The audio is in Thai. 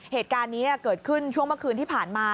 เหตุการณ์นี้เกิดขึ้นช่วงเมื่อคืนที่ผ่านมา